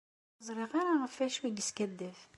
Ur zṛiɣ ara ɣef wacu i yeskadeb.